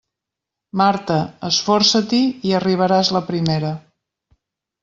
Marta, esforça-t'hi i arribaràs la primera.